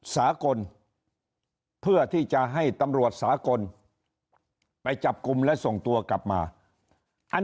สากลเพื่อที่จะให้ตำรวจสากลไปจับกลุ่มและส่งตัวกลับมาอัน